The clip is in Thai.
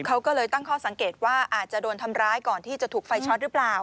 เขาก็เลยตั้งข้อสังเกตว่าอาจจะโดนทำร้ายก่อนที่จะถูกไฟช็อตหรือเปล่า